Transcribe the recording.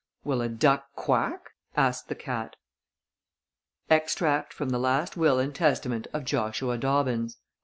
"Will a duck quack?" asked the cat. (Extract from the last will and testament of Joshua Dobbins)